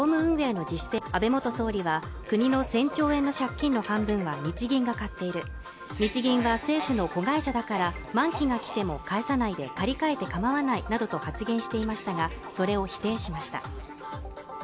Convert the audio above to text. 今月９日安倍元総理は国の１０００兆円の借金の半分は日銀が買っている日銀が政府の子会社だから満期が来ても返さないで借り換えて構わないなどと発言していましたがそれを否定しました